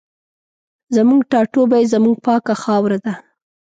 زموږ ټاټوبی زموږ پاکه خاوره ده